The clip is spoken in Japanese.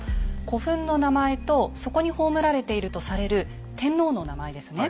古墳の名前とそこに葬られているとされる天皇の名前ですね。